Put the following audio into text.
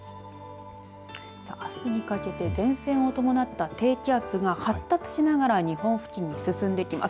あすにかけて前線を伴った低気圧が発達しながら日本付近に進んできます。